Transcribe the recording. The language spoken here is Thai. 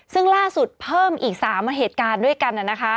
ซึ่งล่าสุดเพิ่มอีก๓เหตุการณ์ด้วยกัน